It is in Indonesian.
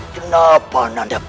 kenapa nanda prabu